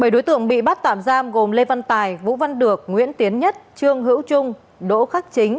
bảy đối tượng bị bắt tạm giam gồm lê văn tài vũ văn được nguyễn tiến nhất trương hữu trung đỗ khắc chính